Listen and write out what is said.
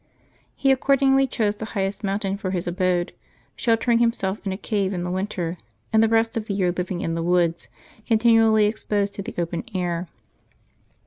He accordingly chose the highest mountain for his abode, sheltering himself in a cave in the winter, and the rest of the 3'ear living in the woods, con tinually exposed to the open air.